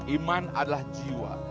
iman adalah jiwa